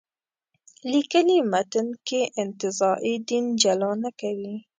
لیکلي متن کې انتزاعي دین جلا نه کوي.